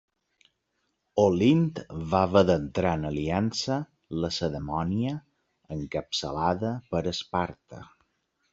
Olint va haver d'entrar en l'aliança lacedemònia encapçalada per Esparta.